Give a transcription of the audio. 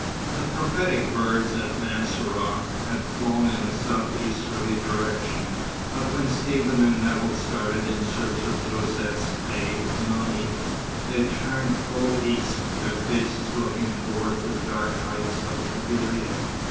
The prophetic birds at Mansourah had flown in a south easterly direction, but when Stephen and Nevill started in search of Josette's maid Mouni, they turned full east, their faces looking towards the dark heights of Kabylia.